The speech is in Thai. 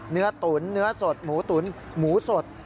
เนื้อตุ๋นเนื้อสดหมูตุ๋นหมูสด